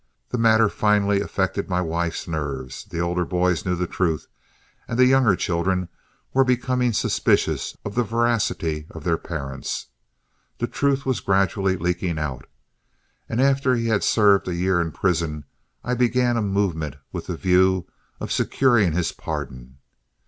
The matter finally affected my wife's nerves, the older boys knew the truth, and the younger children were becoming suspicious of the veracity of their parents. The truth was gradually leaking out, and after he had served a year in prison, I began a movement with the view of securing his pardon.